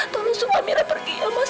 tolong sup amira pergi mas